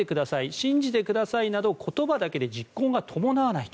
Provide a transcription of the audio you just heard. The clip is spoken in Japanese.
信じてくださいなど言葉だけで実行が伴わないと。